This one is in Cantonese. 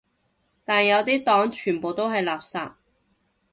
但有啲黨全部都係垃圾